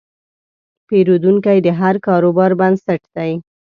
پیرودونکی د هر کاروبار بنسټ دی.